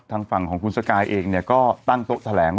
ทางฝั่งของคุณสกายเองเนี่ยก็ตั้งโต๊ะแถลง